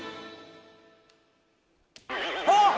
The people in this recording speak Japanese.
あっ！